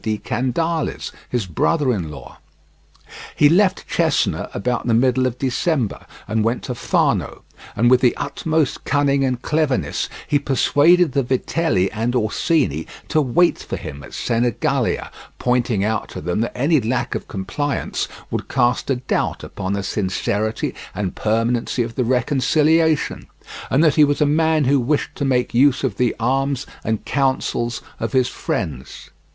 di Candales, his brother in law. He left Cesena about the middle of December, and went to Fano, and with the utmost cunning and cleverness he persuaded the Vitelli and Orsini to wait for him at Sinigalia, pointing out to them that any lack of compliance would cast a doubt upon the sincerity and permanency of the reconciliation, and that he was a man who wished to make use of the arms and councils of his friends.